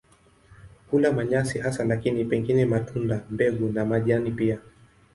Hula manyasi hasa lakini pengine matunda, mbegu na majani pia.